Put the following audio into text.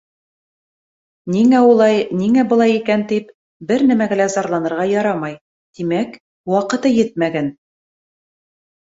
Ниңә улай, ниңә былай икән, тип, бер нәмәгә лә зарланырға ярамай, тимәк, ваҡыты етмәгән.